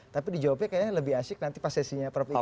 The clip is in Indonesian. tapi dijawabnya kayaknya lebih asik nanti pas sesinya prof ika